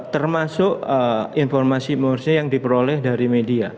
termasuk informasi yang diperoleh dari media